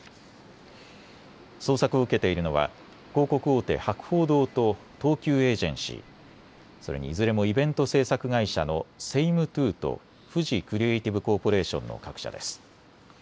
捜索を受けているのは広告大手、博報堂と東急エージェンシー、それにいずれもイベント制作会社のセイムトゥーとフジクリエイティブコーポレーションの各社です。